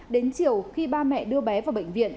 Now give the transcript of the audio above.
đến chiều khi ba mẹ đưa bé vào bệnh viện